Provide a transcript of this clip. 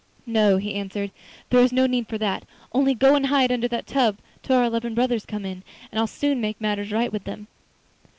'No,' he answered, 'there is no need for that; only go and hide under that tub till our eleven brothers come in, and I'll soon make matters right with them.